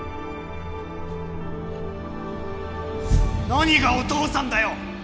何がお父さんだよ！